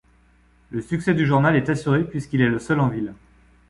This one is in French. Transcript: Le succès du journal est assuré puisqu'il est le seul en ville.